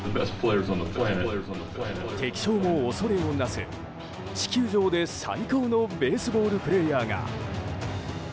敵将も恐れをなす地球上で最高のベースボールプレーヤーが。